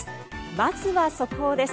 まずは速報です。